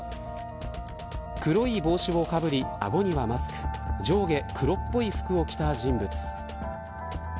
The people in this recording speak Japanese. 黒い帽子をかぶり顎にはマスク上下黒っぽい服を着た人物。